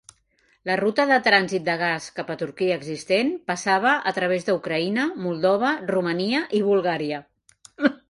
La ruta de trànsit de gas cap a Turquia existent passava a través de Ucraïna, Moldova, Romania i Bulgària.